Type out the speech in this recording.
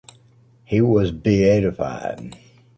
He was beatified.